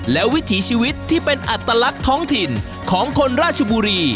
และวิถีชีวิตที่เป็นอัตลักษณ์ท้องถิ่นของคนราชบุรี